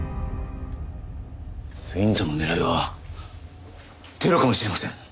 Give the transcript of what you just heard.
ＷＩＮＤの狙いはテロかもしれません。